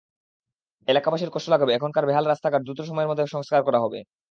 এলাকাবাসীর কষ্ট লাঘবে এখানকার বেহাল রাস্তাঘাট দ্রুত সময়ের মধ্যে সংস্কার করা হবে।